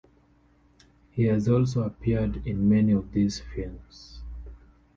He has also appeared in many of these films.